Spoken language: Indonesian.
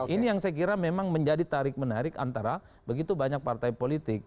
ini yang saya kira memang menjadi tarik menarik antara begitu banyak partai politik